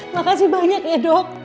makasih banyak ya dok